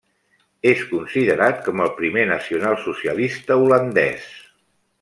És considerat com el primer nacionalsocialista holandès.